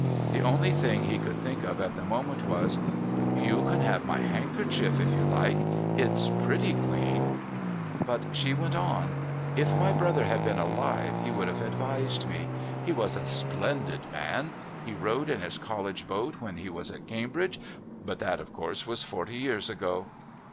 The only thing he could think of at the moment was: "You can have my handkerchief, if you like. It's pretty clean " But she went on: "If my brother had been alive he would have advised me. He was a splendid man. He rowed in his college boat when he was at Cambridge, but that, of course, was forty years ago.